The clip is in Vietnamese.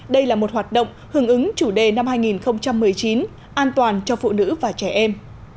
đây là một hoạt động hưởng ứng chủ đề năm hai nghìn một mươi chín an toàn cho phụ nữ và trẻ em